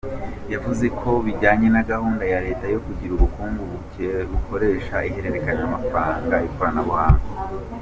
Yavuze ko bijyanye na gahunda ya leta yo kugira ubukungu bukoresha ihererekanyamafaranga mu ikoranabuhanga.